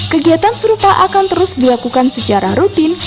kegiatan serupa akan terus dilakukan secara rutin